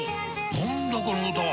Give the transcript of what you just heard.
何だこの歌は！